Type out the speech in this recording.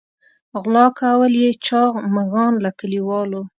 غلا کول یې چاغ مږان له کلیوالو.